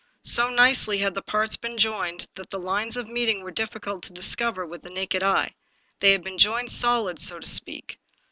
So nicely had the parts been joined that the lines of meeting were difficult to discover with the naked eye; they had been joined solid, so to speak.